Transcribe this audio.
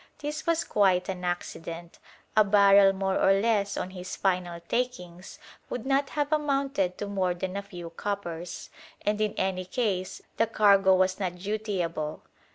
This was quite an accident. A barrel more or less on his final takings would not have amounted to more than a few coppers, and in any case the cargo was not dutiable.